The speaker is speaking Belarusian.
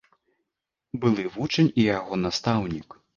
Былы вучань і яго настаўнік.